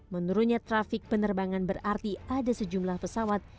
menurutnya trafik penerbangan berarti ada sejumlah pesawat